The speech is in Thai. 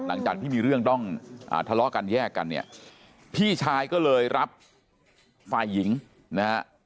หลังจากที่มีเรื่องต้องทะเลาะกันแยกกันเนี่ยพี่ชายก็เลยรับฝ่ายหญิงนะฮะ